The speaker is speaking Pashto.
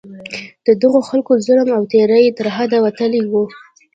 د دغو خلکو ظلم او تېری تر حده وتلی وو.